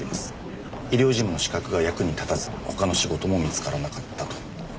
医療事務の資格が役に立たず他の仕事も見つからなかったと。